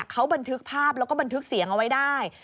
เขาบันทึกภาพแล้วก็บันทึกเสียงเอาไว้ได้